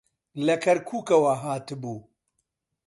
لە کەرکووکەوە هاتبوو.